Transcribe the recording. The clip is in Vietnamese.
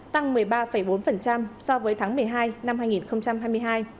tăng một mươi ba bốn so với tháng một mươi hai năm hai nghìn hai mươi hai